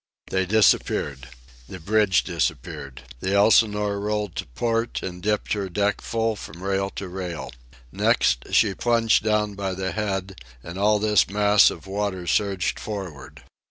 They disappeared. The bridge disappeared. The Elsinore rolled to port and dipped her deck full from rail to rail. Next, she plunged down by the head, and all this mass of water surged forward.